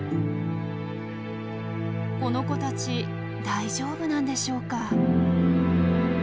この子たち大丈夫なんでしょうか？